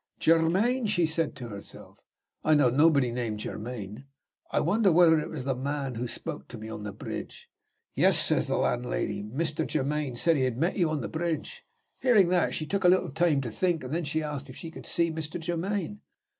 'Germaine?' she said to herself; 'I know nobody named Germaine; I wonder whether it was the man who spoke to me on the bridge?' 'Yes,' says the landlady; 'Mr. Germaine said he met you on the bridge.' Hearing that, she took a little time to think; and then she asked if she could see Mr. Germaine.